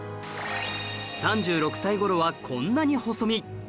３６歳頃はこんなに細身